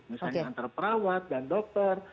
misalnya antara perawat dan dokter